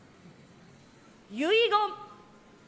遺言！